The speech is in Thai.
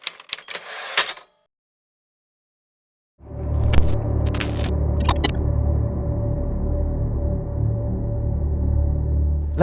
มีคนเดินตาม